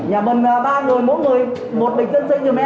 nhà bình ba người bốn người